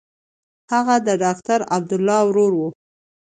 هغه د ډاکټر عبدالله ورور و.